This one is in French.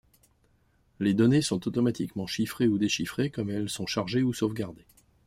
Les données sont automatiquement chiffrées ou déchiffrées comme elles sont chargées ou sauvegardées.